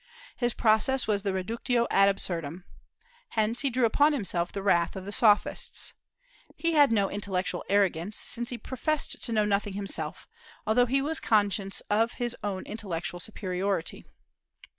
His process was the reductio ad absurdum. Hence he drew upon himself the wrath of the Sophists. He had no intellectual arrogance, since he professed to know nothing himself, although he was conscious of his own intellectual superiority.